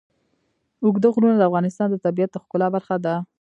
اوږده غرونه د افغانستان د طبیعت د ښکلا برخه ده.